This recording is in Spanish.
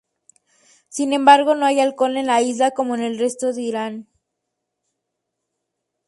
Sin embargo, no hay alcohol en la isla, como en el resto de Irán.